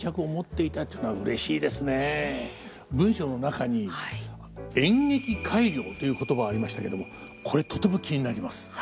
文章の中に「演劇改良」という言葉ありましたけどもこれとても気になります。